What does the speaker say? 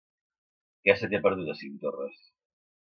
Què se t'hi ha perdut, a Cinctorres?